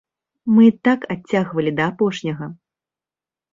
Мы і так адцягвалі да апошняга.